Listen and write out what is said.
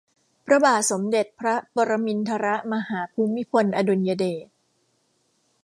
พระบาทสมเด็จพระปรมินทรมหาภูมิพลอดุลยเดช